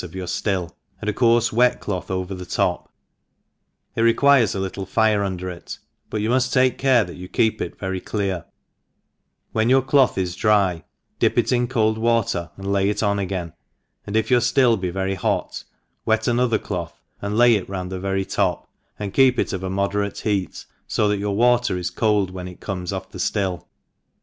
of yonr ftill, and a coirfe wet doth over the top : it requires a ]itt}e fire under it, but you muft take care that you keep it very clear ; when your cloth is dry, dip it in cold water and lay it on again, and if youcftill be very ho^ wet aiiorher cloth, and iay^^round the very top» and keep it of a moderate beat. 366 THE EXPERIENCED {0 that your water is cold when it comes off the ftill.